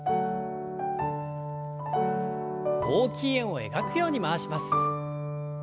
大きい円を描くように回します。